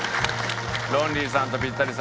ロンリーさんとピッタリさん